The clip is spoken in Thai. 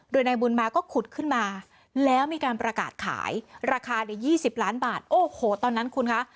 โดยนายบุญมาก็ขุดขึ้นมาแล้วมีการประกาศขายราคา๒๐ล้านบาทโอ้โหตอนนั้นคุณคะ